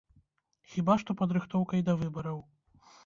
Хіба што падрыхтоўкай да выбараў.